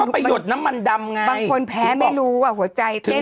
ไปหยดน้ำมันดำไงบางคนแพ้ไม่รู้ว่าหัวใจเต้น